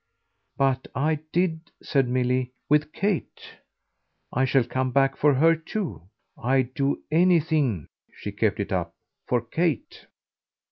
But I did," said Milly, "with Kate. I shall come back for her too. I'd do anything" she kept it up "for Kate."